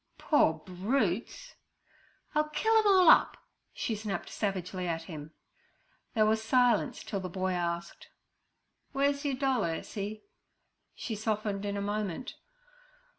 'Poor brutes!' 'I'll kill 'em all up!' she snapped savagely at him. There was silence till the boy asked: 'Where's your doll, Ursie?' She softened in a moment.